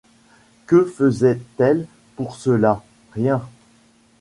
Que faisait-elle pour cela ? rien.